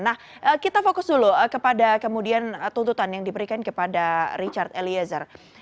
nah kita fokus dulu kepada kemudian tuntutan yang diberikan kepada richard eliezer